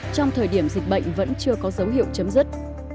trong thời điểm dịch bệnh vẫn chưa có dấu hiệu chấm dứt